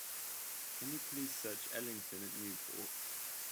Can you please search Ellington at Newport?